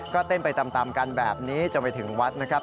ก็เต้นไปตามกันแบบนี้จนไปถึงวัดนะครับ